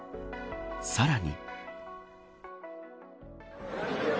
さらに。